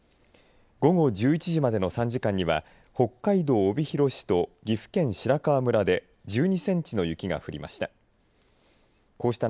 午後１１時までの３時間には北海道帯広市と岐阜県白川村で１２センチの雪が降りました。